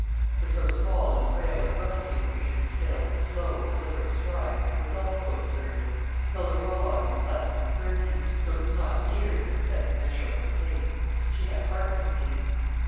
For so small and frail and rusty a creature to sail with slow, deliberate stride was also absurd. Hilda Rowbotham was less than thirty, so it was not years that set the measure of her pace; she had heart disease.